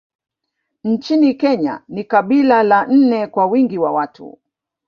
Nchini Kenya ni kabila la nne kwa wingi wa watu